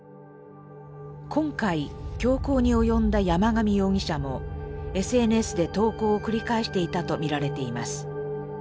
今回凶行に及んだ山上容疑者もＳＮＳで投稿を繰り返していたと見られています。